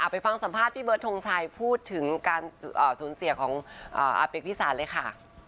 ไปฟังสัมภาษณ์พี่เบิร์ดทงชัยพูดถึงการสูญเสียของอาเป๊กพิสารเลยค่ะ